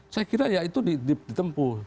saya kira ya itu ditempuh